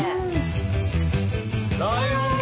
ライオンの。